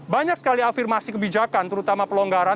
banyak sekali afirmasi kebijakan terutama pelonggaran